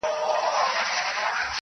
ځکه لا هم پاته څو تڼۍ پر ګرېوانه لرم,